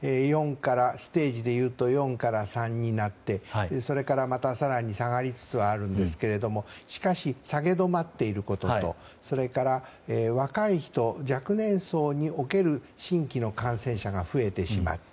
ステージでいうと４から３になってそれからまた更に下がりつつあるんですがしかし、下げ止まっていることとそれから若い人、若年層における新規の感染者が増えてしまって